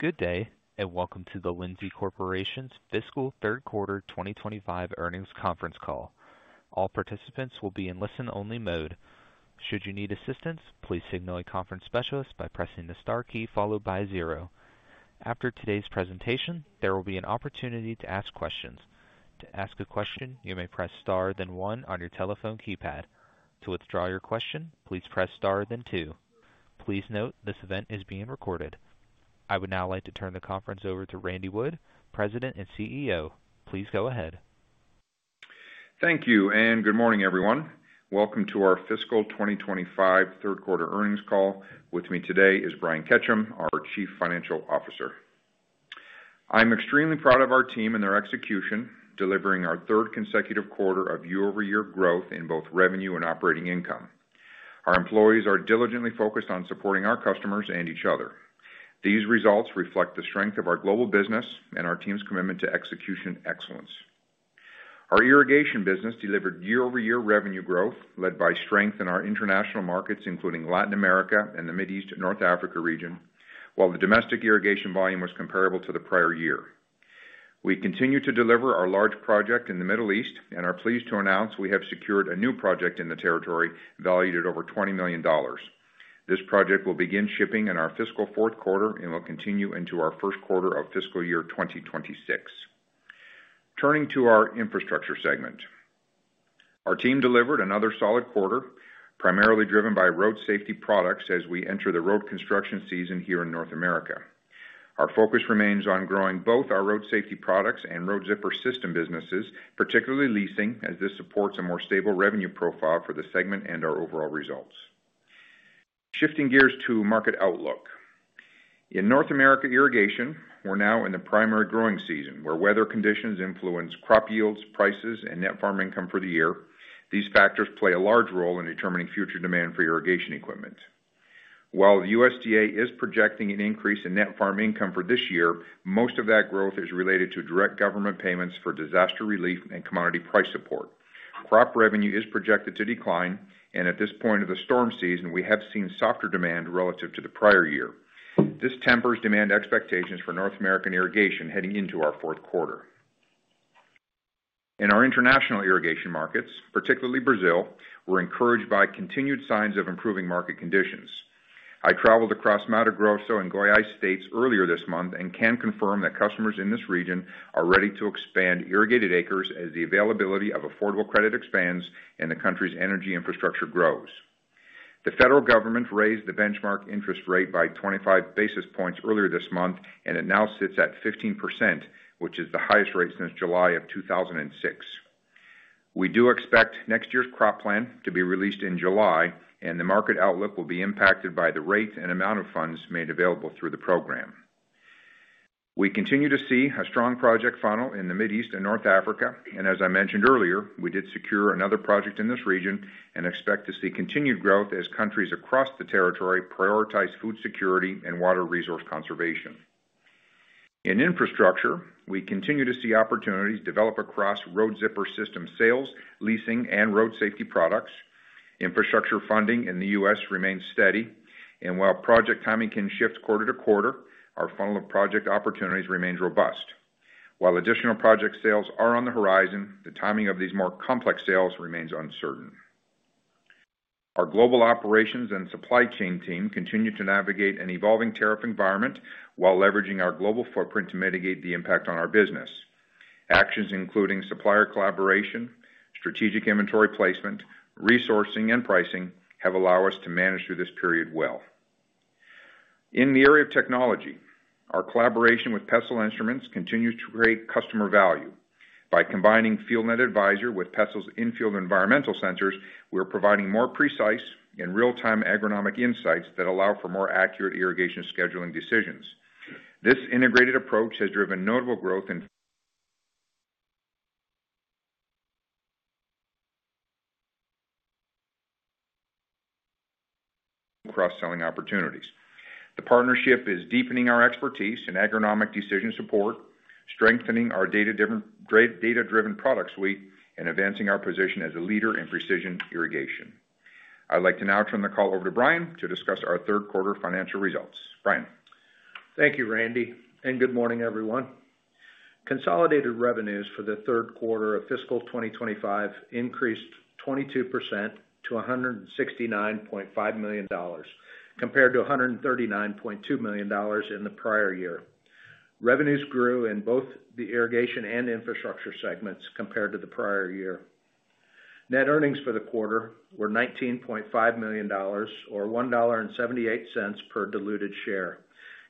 Good day, and welcome to the Lindsay Corporation's Fiscal Third Quarter 2025 earnings conference call. All participants will be in listen-only mode. Should you need assistance, please signal a conference specialist by pressing the star key followed by a zero. After today's presentation, there will be an opportunity to ask questions. To ask a question, you may press star, then one, on your telephone keypad. To withdraw your question, please press star, then two. Please note this event is being recorded. I would now like to turn the conference over to Randy Wood, President and CEO. Please go ahead. Thank you, and good morning, everyone. Welcome to our Fiscal 2025 Third Quarter Earnings call. With me today is Brian Ketcham, our Chief Financial Officer. I'm extremely proud of our team and their execution, delivering our third consecutive quarter of year-over-year growth in both revenue and operating income. Our employees are diligently focused on supporting our customers and each other. These results reflect the strength of our global business and our team's commitment to execution excellence. Our irrigation business delivered year-over-year revenue growth, led by strength in our international markets, including Latin America and the Mideast/North Africa region, while the domestic irrigation volume was comparable to the prior year. We continue to deliver our large project in the Middle East and are pleased to announce we have secured a new project in the territory, valued at over $20 million. This project will begin shipping in our fiscal fourth quarter and will continue into our first quarter of fiscal year 2026. Turning to our infrastructure segment, our team delivered another solid quarter, primarily driven by road safety products as we enter the road construction season here in North America. Our focus remains on growing both our road safety products and Road Zipper System businesses, particularly leasing, as this supports a more stable revenue profile for the segment and our overall results. Shifting gears to market outlook, in North America irrigation, we're now in the primary growing season where weather conditions influence crop yields, prices, and net farm income for the year. These factors play a large role in determining future demand for irrigation equipment. While the USDA is projecting an increase in net farm income for this year, most of that growth is related to direct government payments for disaster relief and commodity price support. Crop revenue is projected to decline, and at this point of the storm season, we have seen softer demand relative to the prior year. This tempers demand expectations for North American irrigation heading into our fourth quarter. In our international irrigation markets, particularly Brazil, we're encouraged by continued signs of improving market conditions. I traveled across Mato Grosso and Goiás states earlier this month and can confirm that customers in this region are ready to expand irrigated acres as the availability of affordable credit expands and the country's energy infrastructure grows. The federal government raised the benchmark interest rate by 25 basis points earlier this month, and it now sits at 15%, which is the highest rate since July of 2006. We do expect next year's crop plan to be released in July, and the market outlook will be impacted by the rate and amount of funds made available through the program. We continue to see a strong project funnel in the Mideast and North Africa, and as I mentioned earlier, we did secure another project in this region and expect to see continued growth as countries across the territory prioritize food security and water resource conservation. In infrastructure, we continue to see opportunities develop across Road Zipper System sales, leasing, and road safety products. Infrastructure funding in the U.S. remains steady, and while project timing can shift quarter to quarter, our funnel of project opportunities remains robust. While additional project sales are on the horizon, the timing of these more complex sales remains uncertain. Our global operations and supply chain team continue to navigate an evolving tariff environment while leveraging our global footprint to mitigate the impact on our business. Actions including supplier collaboration, strategic inventory placement, resourcing, and pricing have allowed us to manage through this period well. In the area of technology, our collaboration with PESSL Instruments continues to create customer value. By combining FieldNET Advisor with PESSL's in-field environmental sensors, we are providing more precise and real-time agronomic insights that allow for more accurate irrigation scheduling decisions. This integrated approach has driven notable growth in cross-selling opportunities. The partnership is deepening our expertise in agronomic decision support, strengthening our data-driven product suite, and advancing our position as a leader in precision irrigation. I'd like to now turn the call over to Brian to discuss our third quarter financial results. Brian. Thank you, Randy, and good morning, everyone. Consolidated revenues for the third quarter of fiscal 2025 increased 22% to $169.5 million, compared to $139.2 million in the prior year. Revenues grew in both the irrigation and infrastructure segments compared to the prior year. Net earnings for the quarter were $19.5 million, or $1.78 per diluted share,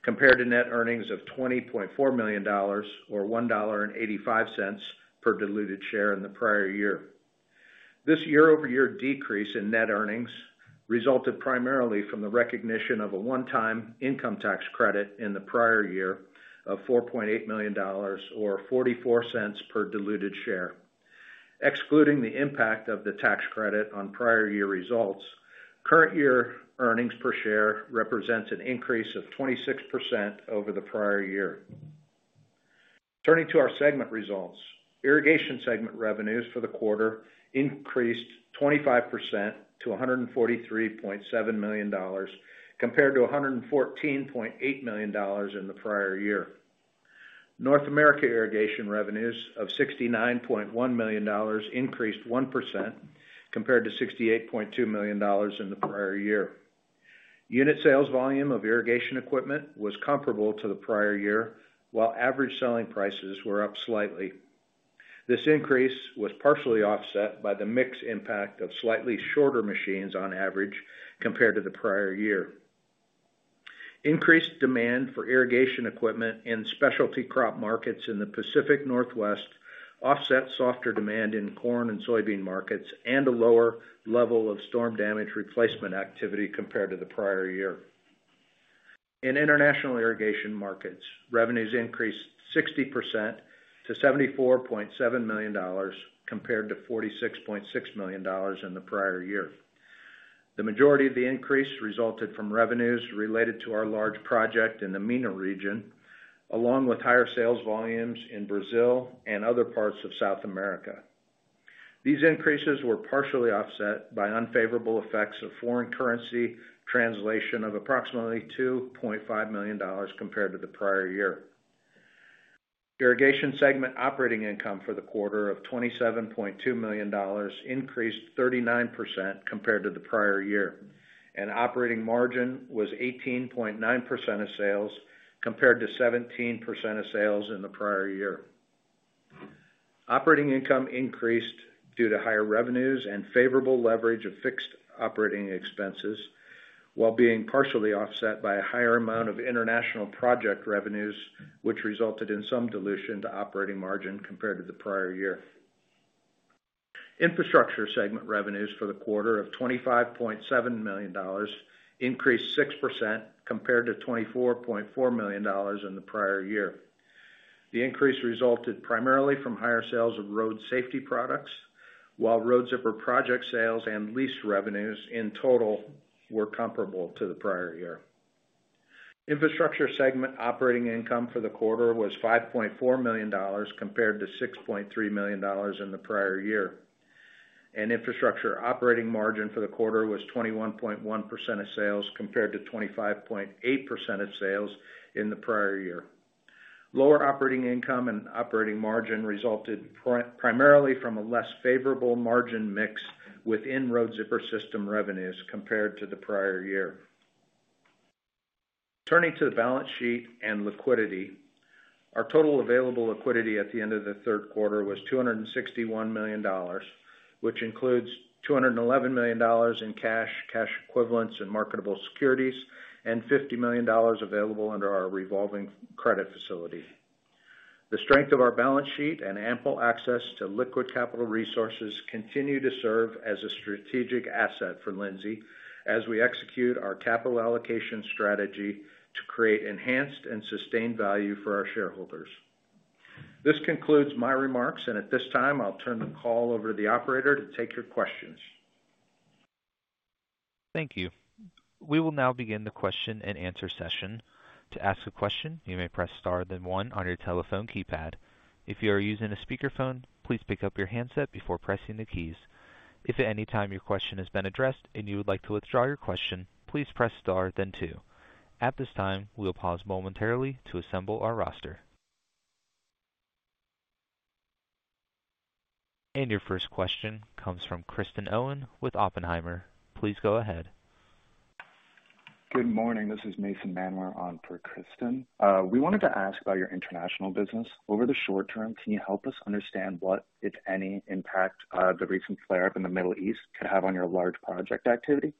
compared to net earnings of $20.4 million, or $1.85 per diluted share in the prior year. This year-over-year decrease in net earnings resulted primarily from the recognition of a one-time income tax credit in the prior year of $4.8 million, or $0.44 per diluted share. Excluding the impact of the tax credit on prior year results, current year earnings per share represents an increase of 26% over the prior year. Turning to our segment results, irrigation segment revenues for the quarter increased 25% to $143.7 million, compared to $114.8 million in the prior year. North America irrigation revenues of $69.1 million increased 1%, compared to $68.2 million in the prior year. Unit sales volume of irrigation equipment was comparable to the prior year, while average selling prices were up slightly. This increase was partially offset by the mixed impact of slightly shorter machines on average compared to the prior year. Increased demand for irrigation equipment in specialty crop markets in the Pacific Northwest offset softer demand in corn and soybean markets and a lower level of storm damage replacement activity compared to the prior year. In international irrigation markets, revenues increased 60% to $74.7 million, compared to $46.6 million in the prior year. The majority of the increase resulted from revenues related to our large project in the MENA region, along with higher sales volumes in Brazil and other parts of South America. These increases were partially offset by unfavorable effects of foreign currency translation of approximately $2.5 million compared to the prior year. Irrigation segment operating income for the quarter of $27.2 million increased 39% compared to the prior year. An operating margin was 18.9% of sales, compared to 17% of sales in the prior year. Operating income increased due to higher revenues and favorable leverage of fixed operating expenses, while being partially offset by a higher amount of international project revenues, which resulted in some dilution to operating margin compared to the prior year. Infrastructure segment revenues for the quarter of $25.7 million increased 6% compared to $24.4 million in the prior year. The increase resulted primarily from higher sales of road safety products, while Road Zipper Project sales and lease revenues in total were comparable to the prior year. Infrastructure segment operating income for the quarter was $5.4 million compared to $6.3 million in the prior year. Infrastructure operating margin for the quarter was 21.1% of sales compared to 25.8% of sales in the prior year. Lower operating income and operating margin resulted primarily from a less favorable margin mix within Road Zipper System revenues compared to the prior year. Turning to the balance sheet and liquidity, our total available liquidity at the end of the third quarter was $261 million, which includes $211 million in cash, cash equivalents, and marketable securities, and $50 million available under our revolving credit facility. The strength of our balance sheet and ample access to liquid capital resources continue to serve as a strategic asset for Lindsay as we execute our capital allocation strategy to create enhanced and sustained value for our shareholders. This concludes my remarks, and at this time, I'll turn the call over to the operator to take your questions. Thank you. We will now begin the question and answer session. To ask a question, you may press star, then one, on your telephone keypad. If you are using a speakerphone, please pick up your handset before pressing the keys. If at any time your question has been addressed and you would like to withdraw your question, please press star, then two. At this time, we will pause momentarily to assemble our roster. Your first question comes from Kristen Owen with Oppenheimer. Please go ahead. Good morning. This is Mason Manware on for Kristen. We wanted to ask about your international business. Over the short term, can you help us understand what, if any, impact the recent flare-up in the Middle East could have on your large project activity?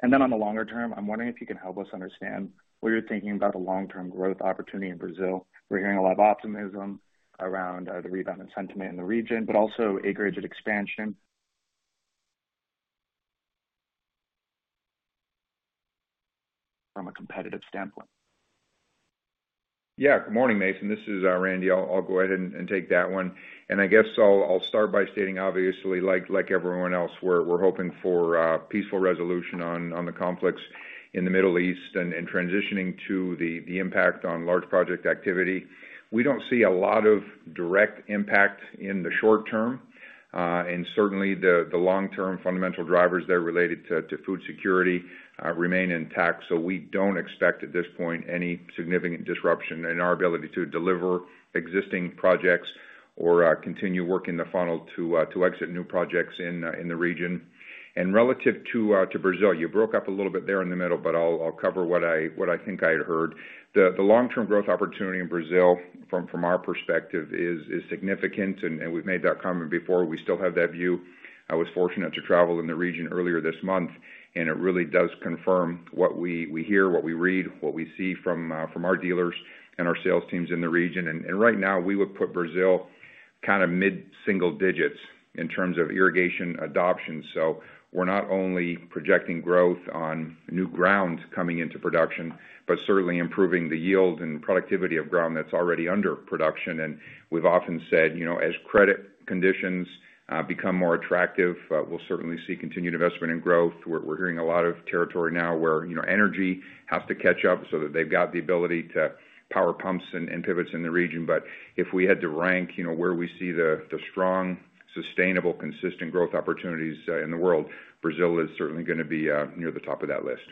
Then on the longer term, I'm wondering if you can help us understand what you're thinking about a long-term growth opportunity in Brazil. We're hearing a lot of optimism around the rebound and sentiment in the region, but also acreage expansion from a competitive standpoint. Yeah, good morning, Mason. This is Randy. I'll go ahead and take that one. I guess I'll start by stating, obviously, like everyone else, we're hoping for peaceful resolution on the conflicts in the Middle East and transitioning to the impact on large project activity. We do not see a lot of direct impact in the short term, and certainly the long-term fundamental drivers there related to food security remain intact. We do not expect at this point any significant disruption in our ability to deliver existing projects or continue working the funnel to exit new projects in the region. Relative to Brazil, you broke up a little bit there in the middle, but I'll cover what I think I had heard. The long-term growth opportunity in Brazil, from our perspective, is significant, and we've made that comment before. We still have that view. I was fortunate to travel in the region earlier this month, and it really does confirm what we hear, what we read, what we see from our dealers and our sales teams in the region. Right now, we would put Brazil kind of mid-single digits in terms of irrigation adoption. We are not only projecting growth on new ground coming into production, but certainly improving the yield and productivity of ground that is already under production. We have often said, as credit conditions become more attractive, we will certainly see continued investment and growth. We are hearing a lot of territory now where energy has to catch up so that they have got the ability to power pumps and pivots in the region. If we had to rank where we see the strong, sustainable, consistent growth opportunities in the world, Brazil is certainly going to be near the top of that list.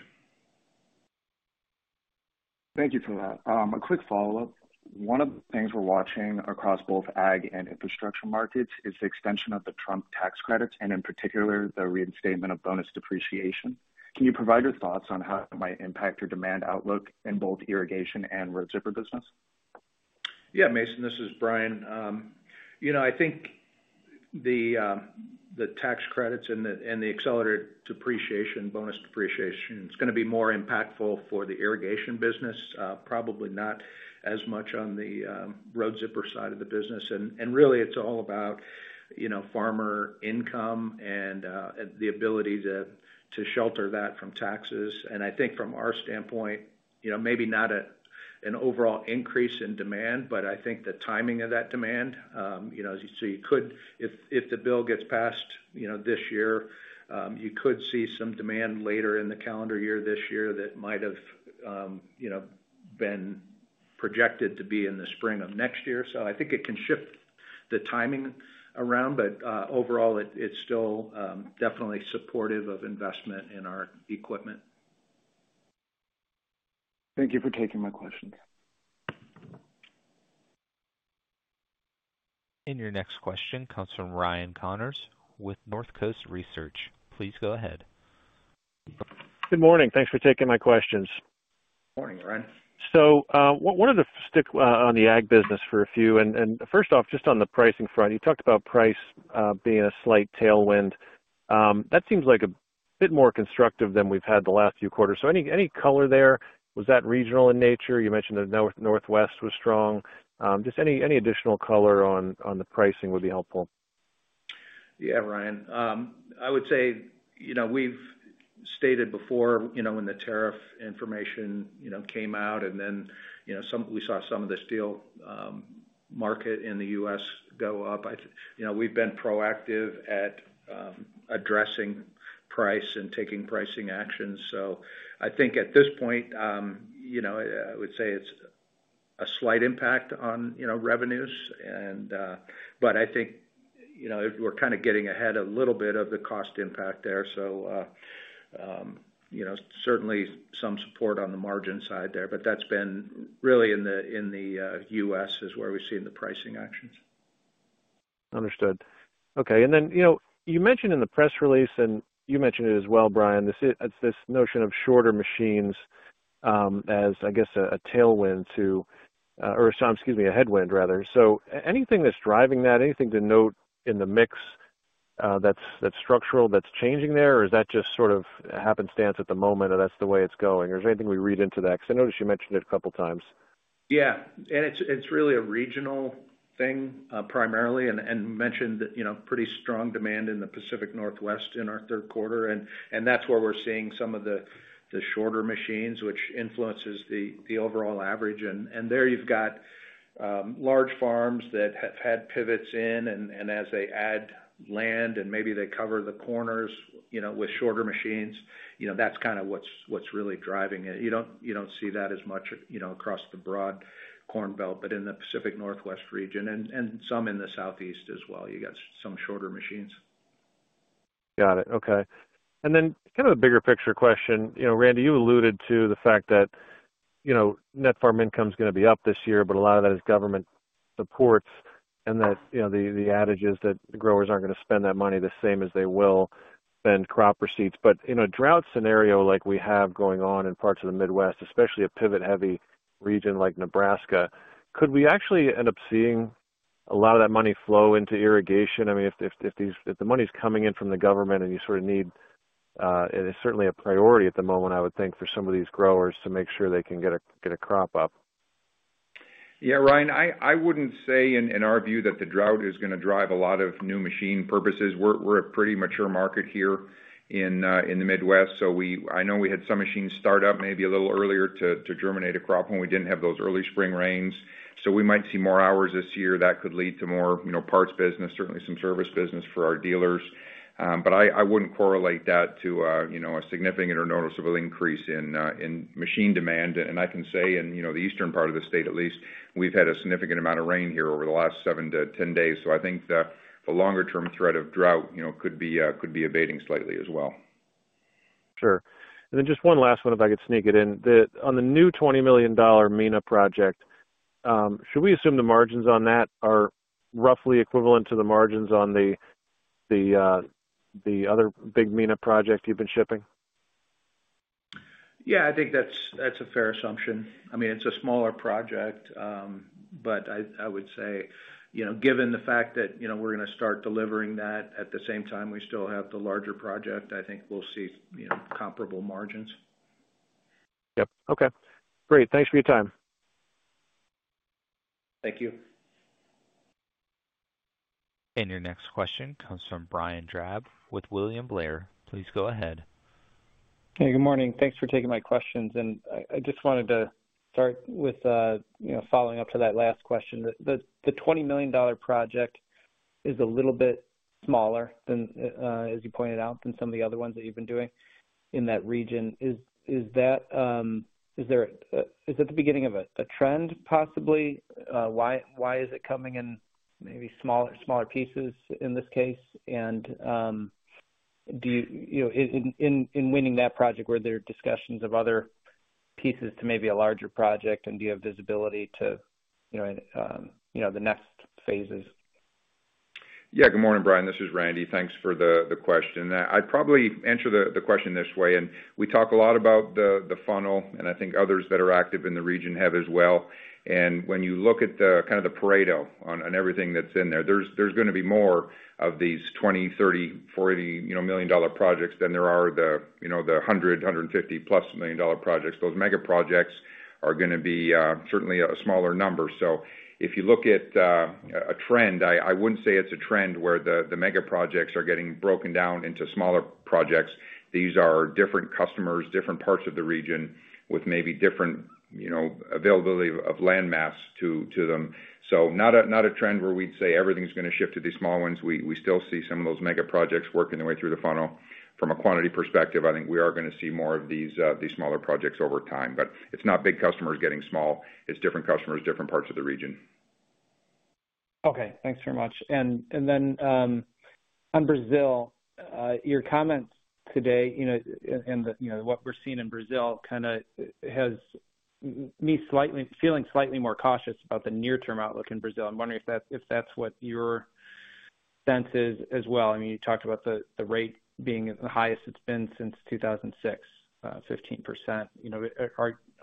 Thank you for that. A quick follow-up. One of the things we're watching across both ag and infrastructure markets is the extension of the Trump tax credits and, in particular, the reinstatement of bonus depreciation. Can you provide your thoughts on how it might impact your demand outlook in both irrigation and Road Zipper business? Yeah, Mason, this is Brian. You know, I think the tax credits and the accelerated depreciation, bonus depreciation, it's going to be more impactful for the irrigation business, probably not as much on the Road Zipper side of the business. Really, it's all about farmer income and the ability to shelter that from taxes. I think from our standpoint, maybe not an overall increase in demand, but I think the timing of that demand. You could, if the bill gets passed this year, see some demand later in the calendar year this year that might have been projected to be in the spring of next year. I think it can shift the timing around, but overall, it's still definitely supportive of investment in our equipment. Thank you for taking my questions. Your next question comes from Ryan Connors with Northcoast Research. Please go ahead. Good morning. Thanks for taking my questions. Morning, Ryan. I wanted to stick on the ag business for a few. First off, just on the pricing front, you talked about price being a slight tailwind. That seems like a bit more constructive than we've had the last few quarters. Any color there? Was that regional in nature? You mentioned the Northwest was strong. Any additional color on the pricing would be helpful. Yeah, Ryan. I would say we've stated before when the tariff information came out and then we saw some of the steel market in the U.S. go up. We've been proactive at addressing price and taking pricing actions. I think at this point, I would say it's a slight impact on revenues. I think we're kind of getting ahead a little bit of the cost impact there. Certainly some support on the margin side there. That's been really in the U.S. is where we've seen the pricing actions. Understood. Okay. You mentioned in the press release, and you mentioned it as well, Brian, it's this notion of shorter machines as, I guess, a tailwind to, or excuse me, a headwind, rather. Anything that's driving that? Anything to note in the mix that's structural, that's changing there? Is that just sort of happenstance at the moment that that's the way it's going? Is there anything we read into that? I noticed you mentioned it a couple of times. Yeah. It is really a regional thing primarily. You mentioned pretty strong demand in the Pacific Northwest in our third quarter. That is where we are seeing some of the shorter machines, which influences the overall average. There you have large farms that have had pivots in, and as they add land and maybe they cover the corners with shorter machines, that is kind of what is really driving it. You do not see that as much across the broad corn belt, but in the Pacific Northwest region and some in the Southeast as well, you have some shorter machines. Got it. Okay. Then kind of a bigger picture question. Randy, you alluded to the fact that net farm income is going to be up this year, but a lot of that is government supports and that the adage is that growers are not going to spend that money the same as they will spend crop receipts. In a drought scenario like we have going on in parts of the Midwest, especially a pivot-heavy region like Nebraska, could we actually end up seeing a lot of that money flow into irrigation? I mean, if the money is coming in from the government and you sort of need, it is certainly a priority at the moment, I would think, for some of these growers to make sure they can get a crop up. Yeah, Ryan, I wouldn't say in our view that the drought is going to drive a lot of new machine purchases. We're a pretty mature market here in the Midwest. I know we had some machines start up maybe a little earlier to germinate a crop when we didn't have those early spring rains. We might see more hours this year that could lead to more parts business, certainly some service business for our dealers. I wouldn't correlate that to a significant or noticeable increase in machine demand. I can say in the eastern part of the state, at least, we've had a significant amount of rain here over the last 7-10 days. I think the longer-term threat of drought could be abating slightly as well. Sure. And then just one last one, if I could sneak it in. On the new $20 million MENA project, should we assume the margins on that are roughly equivalent to the margins on the other big MENA project you have been shipping? Yeah, I think that's a fair assumption. I mean, it's a smaller project, but I would say given the fact that we're going to start delivering that at the same time we still have the larger project, I think we'll see comparable margins. Yep. Okay. Great. Thanks for your time. Thank you. Your next question comes from Brian Drab with William Blair. Please go ahead. Hey, good morning. Thanks for taking my questions. I just wanted to start with following up to that last question. The $20 million project is a little bit smaller, as you pointed out, than some of the other ones that you have been doing in that region. Is that the beginning of a trend, possibly? Why is it coming in maybe smaller pieces in this case? In winning that project, were there discussions of other pieces to maybe a larger project? Do you have visibility to the next phases? Yeah, good morning, Brian. This is Randy. Thanks for the question. I'd probably answer the question this way. We talk a lot about the funnel, and I think others that are active in the region have as well. When you look at kind of the Pareto on everything that's in there, there's going to be more of these $20 million, $30 million, $40 million projects than there are the $100 million, $150 million+ projects. Those mega projects are going to be certainly a smaller number. If you look at a trend, I wouldn't say it's a trend where the mega projects are getting broken down into smaller projects. These are different customers, different parts of the region with maybe different availability of landmass to them. Not a trend where we'd say everything's going to shift to these small ones. We still see some of those mega projects working their way through the funnel. From a quantity perspective, I think we are going to see more of these smaller projects over time. It is not big customers getting small. It is different customers, different parts of the region. Okay. Thanks very much. Then on Brazil, your comments today and what we are seeing in Brazil kind of has me feeling slightly more cautious about the near-term outlook in Brazil. I am wondering if that is what your sense is as well. I mean, you talked about the rate being the highest it has been since 2006, 15%.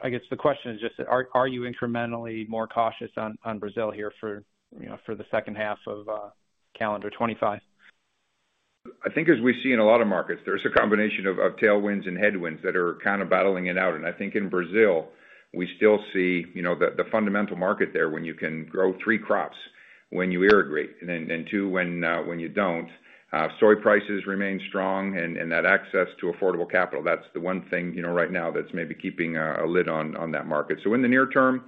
I guess the question is just, are you incrementally more cautious on Brazil here for the second half of calendar 2025? I think as we see in a lot of markets, there is a combination of tailwinds and headwinds that are kind of battling it out. I think in Brazil, we still see the fundamental market there when you can grow three crops when you irrigate and two when you do not. Soy prices remain strong and that access to affordable capital, that is the one thing right now that is maybe keeping a lid on that market. In the near term,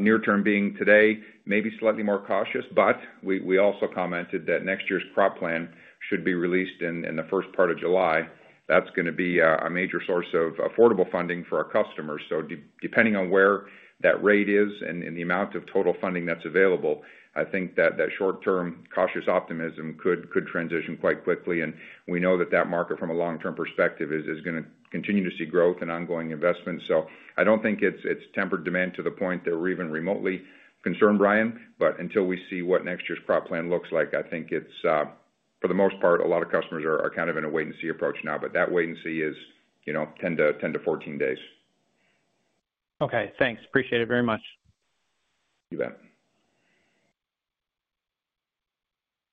near term being today, maybe slightly more cautious, but we also commented that next year's crop plan should be released in the first part of July. That is going to be a major source of affordable funding for our customers. Depending on where that rate is and the amount of total funding that is available, I think that short-term cautious optimism could transition quite quickly. We know that that market, from a long-term perspective, is going to continue to see growth and ongoing investment. I do not think it has tempered demand to the point that we are even remotely concerned, Brian. Until we see what next year's crop plan looks like, I think for the most part, a lot of customers are kind of in a wait-and-see approach now. That wait-and-see is 10-14 days. Okay. Thanks. Appreciate it very much. You bet.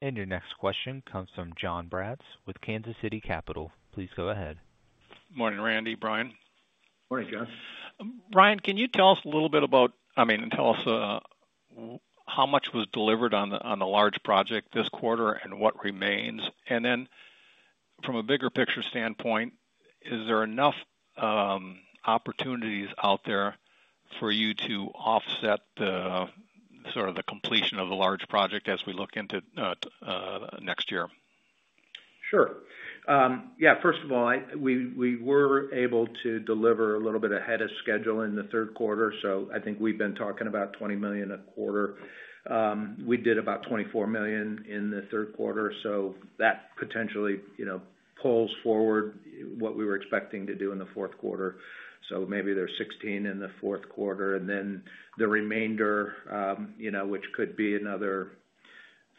Your next question comes from Jon Braatz with Kansas City Capital. Please go ahead. Morning, Randy. Brian. Morning, Jon. Brian, can you tell us a little bit about, I mean, tell us how much was delivered on the large project this quarter and what remains? From a bigger picture standpoint, is there enough opportunities out there for you to offset sort of the completion of the large project as we look into next year? Sure. Yeah. First of all, we were able to deliver a little bit ahead of schedule in the third quarter. I think we've been talking about $20 million a quarter. We did about $24 million in the third quarter. That potentially pulls forward what we were expecting to do in the fourth quarter. Maybe there's $16 million in the fourth quarter. Then the remainder, which could be another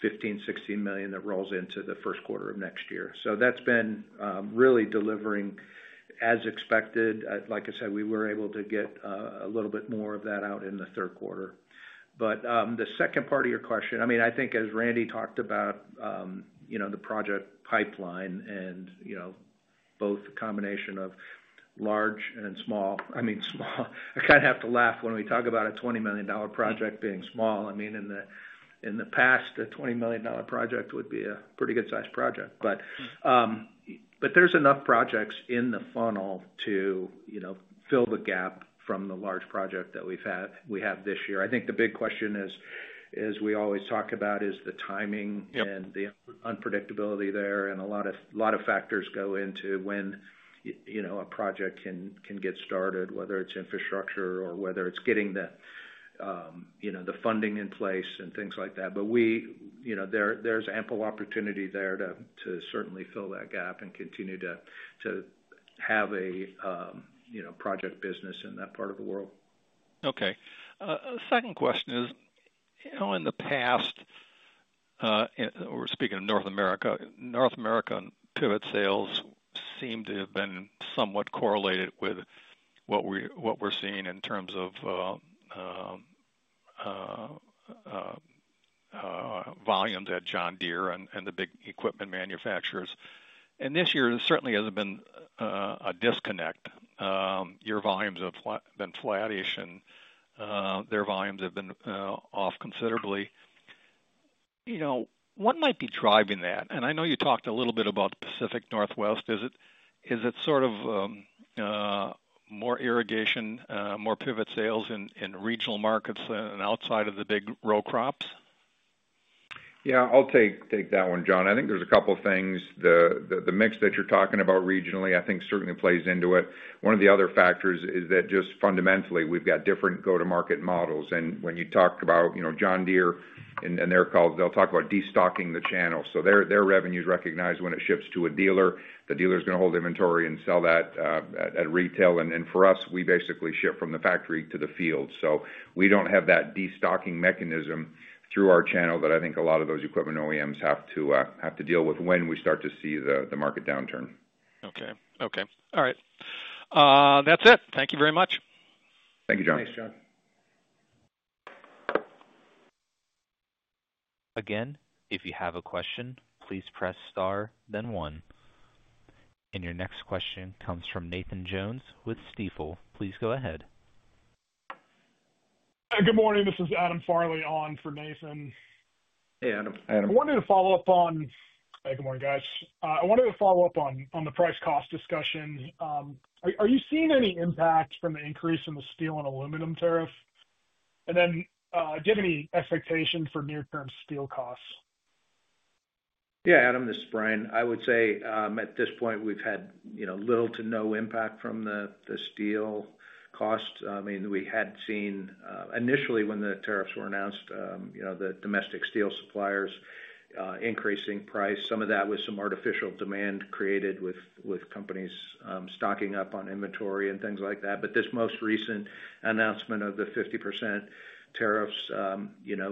$15 million-$16 million, rolls into the first quarter of next year. That's been really delivering as expected. Like I said, we were able to get a little bit more of that out in the third quarter. The second part of your question, I mean, I think as Randy talked about the project pipeline and both a combination of large and small, I mean, small. I kind of have to laugh when we talk about a $20 million project being small. I mean, in the past, a $20 million project would be a pretty good-sized project. There are enough projects in the funnel to fill the gap from the large project that we have this year. I think the big question we always talk about is the timing and the unpredictability there. A lot of factors go into when a project can get started, whether it is infrastructure or whether it is getting the funding in place and things like that. There is ample opportunity there to certainly fill that gap and continue to have a project business in that part of the world. Okay. Second question is, in the past, we're speaking of North America. North America pivot sales seem to have been somewhat correlated with what we're seeing in terms of volumes at John Deere and the big equipment manufacturers. This year certainly hasn't been a disconnect. Your volumes have been flattish, and their volumes have been off considerably. What might be driving that? I know you talked a little bit about the Pacific Northwest. Is it sort of more irrigation, more pivot sales in regional markets and outside of the big row crops? Yeah, I'll take that one, Jon. I think there's a couple of things. The mix that you're talking about regionally, I think, certainly plays into it. One of the other factors is that just fundamentally, we've got different go-to-market models. And when you talk about Jon Deere and their calls, they'll talk about destocking the channel. So their revenue is recognized when it ships to a dealer. The dealer is going to hold inventory and sell that at retail. And for us, we basically ship from the factory to the field. So we don't have that destocking mechanism through our channel that I think a lot of those equipment OEMs have to deal with when we start to see the market downturn. Okay. Okay. All right. That's it. Thank you very much. Thank you, Jon. Thanks, Jon. Again, if you have a question, please press star, then one. Your next question comes from Nathan Jones with Stifel. Please go ahead. Hi, good morning. This is Adam Farley on for Nathan. Hey, Adam. I wanted to follow up on—hey, good morning, guys. I wanted to follow up on the price-cost discussion. Are you seeing any impact from the increase in the steel and aluminum tariff? Do you have any expectations for near-term steel costs? Yeah, Adam, this is Brian. I would say at this point, we've had little to no impact from the steel cost. I mean, we had seen initially when the tariffs were announced, the domestic steel suppliers increasing price. Some of that was some artificial demand created with companies stocking up on inventory and things like that. This most recent announcement of the 50% tariffs,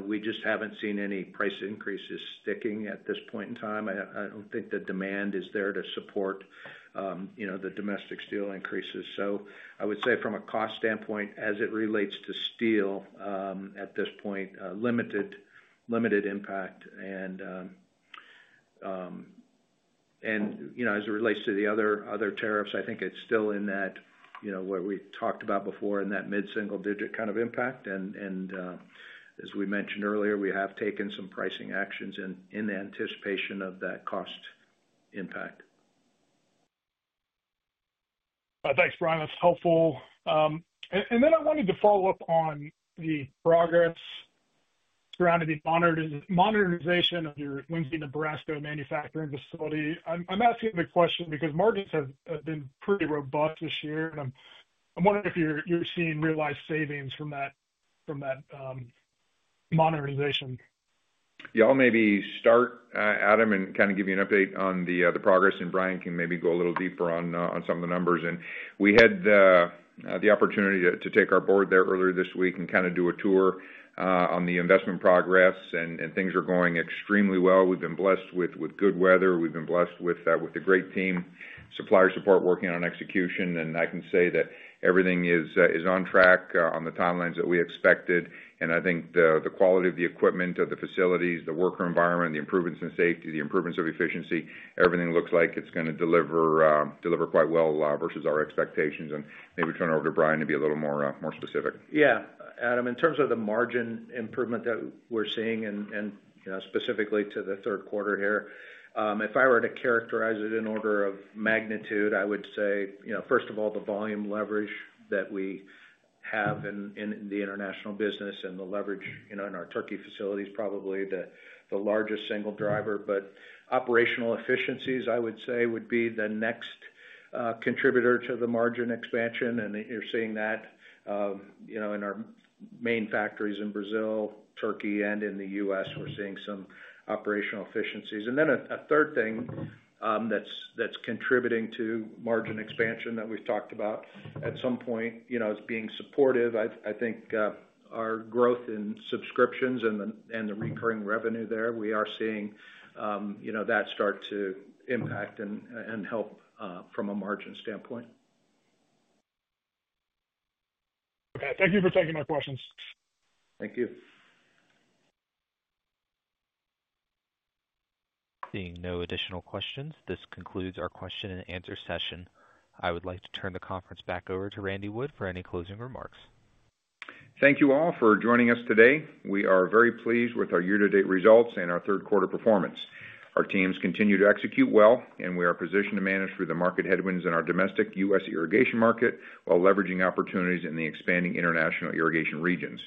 we just haven't seen any price increases sticking at this point in time. I don't think the demand is there to support the domestic steel increases. I would say from a cost standpoint, as it relates to steel at this point, limited impact. As it relates to the other tariffs, I think it's still in that what we talked about before in that mid-single-digit kind of impact. As we mentioned earlier, we have taken some pricing actions in anticipation of that cost impact. Thanks, Brian. That's helpful. I wanted to follow up on the progress surrounding the modernization of your Lindsay, Nebraska manufacturing facility. I'm asking the question because margins have been pretty robust this year. I'm wondering if you're seeing realized savings from that modernization. Yeah I'll maybe start, Adam, and kind of give you an update on the progress. Brian can maybe go a little deeper on some of the numbers. We had the opportunity to take our board there earlier this week and kind of do a tour on the investment progress. Things are going extremely well. We've been blessed with good weather. We've been blessed with a great team, supplier support working on execution. I can say that everything is on track on the timelines that we expected. I think the quality of the equipment, of the facilities, the worker environment, the improvements in safety, the improvements of efficiency, everything looks like it's going to deliver quite well versus our expectations. Maybe turn over to Brian to be a little more specific. Yeah, Adam, in terms of the margin improvement that we're seeing and specifically to the third quarter here, if I were to characterize it in order of magnitude, I would say, first of all, the volume leverage that we have in the international business and the leverage in our Turkey facility is probably the largest single driver. Operational efficiencies, I would say, would be the next contributor to the margin expansion. You're seeing that in our main factories in Brazil, Turkey, and in the U.S., we're seeing some operational efficiencies. A third thing that's contributing to margin expansion that we've talked about at some point is being supportive. I think our growth in subscriptions and the recurring revenue there, we are seeing that start to impact and help from a margin standpoint. Okay. Thank you for taking my questions. Thank you. Seeing no additional questions, this concludes our question-and-answer session. I would like to turn the conference back over to Randy Wood for any closing remarks. Thank you all for joining us today. We are very pleased with our year-to-date results and our third-quarter performance. Our teams continue to execute well, and we are positioned to manage through the market headwinds in our domestic U.S. irrigation market while leveraging opportunities in the expanding international irrigation regions.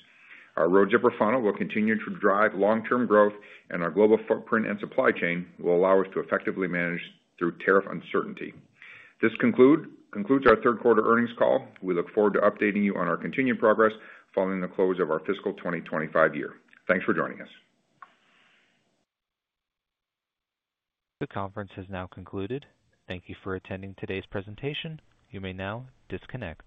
Our Road Zipper funnel will continue to drive long-term growth, and our global footprint and supply chain will allow us to effectively manage through tariff uncertainty. This concludes our third-quarter earnings call. We look forward to updating you on our continued progress following the close of our fiscal 2025 year. Thanks for joining us. The conference has now concluded. Thank you for attending today's presentation. You may now disconnect.